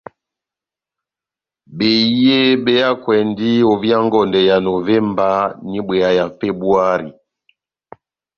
Behiye be hakwɛndi ovia ngondɛ ya Novemba n'ibwea ya Febuari.